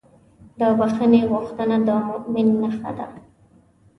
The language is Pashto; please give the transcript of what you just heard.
د بښنې غوښتنه د مؤمن نښه ده.